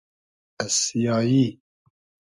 از سیایی